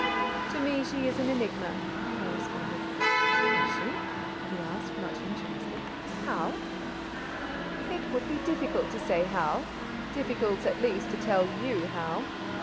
"To me she is an enigma," I responded. "Is she?" he asked—much interested. "How?" "It would be difficult to say how—difficult, at least, to tell you how."